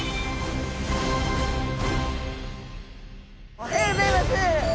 おはようございます。